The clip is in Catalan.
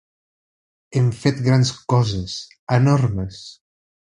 Hem fet grans coses, enormes.